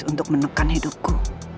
untuk menekan hidupku